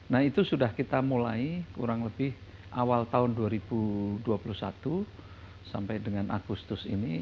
nah itu sudah kita mulai kurang lebih awal tahun dua ribu dua puluh satu sampai dengan agustus ini